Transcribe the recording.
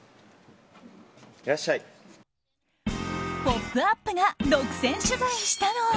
「ポップＵＰ！」が独占取材したのは